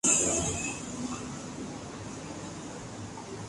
Aun así, existen muy poco dispositivos desarrollados y en venta.